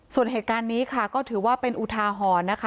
ส่วนเหตุการณ์นี้ค่ะก็ถือว่าเป็นอุทาหรณ์นะคะ